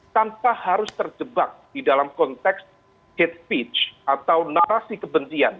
tanpa harus terjebak di dalam konteks hatepeech atau narasi kebencian